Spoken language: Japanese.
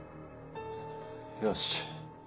よし。